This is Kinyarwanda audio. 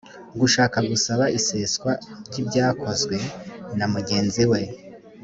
gushaka gusaba iseswa ry ibyakozwe na mugenzi we